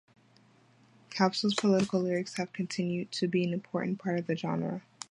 Calypso's political lyrics have continued to be an important part of the genre.